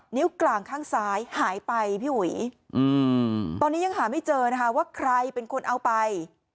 นิ้วกลางข้างซ้ายหายไปพี่อุ๋ยตอนนี้ยังหาไม่เจอนะคะว่าใครเป็นคนเอาไป